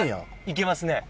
行けますね